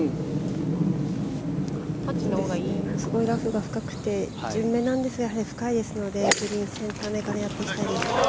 すごいラフが深くて順目ですが深いですのでグリーンセンターめからやっていきたいです。